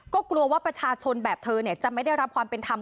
ก็กลัวว่าประชาชนแบบเธอจะไม่ได้รับความเป็นธรรม